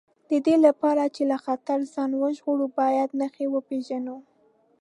د دې لپاره چې له خطره ځان وژغورو باید نښې وپېژنو.